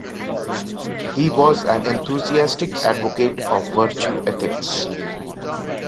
He was an enthusiastic advocate of virtue ethics.